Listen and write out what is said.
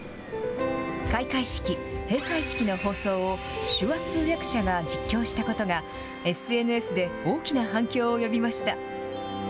開会式、閉会式の放送を、手話通訳者が実況したことが、ＳＮＳで大きな反響を呼びました。